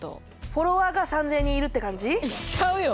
フォロワーが３，０００人いるって感じ？ちゃうよ！